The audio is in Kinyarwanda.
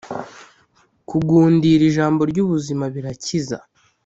kugundira ijambo ry’ubuzima birakiza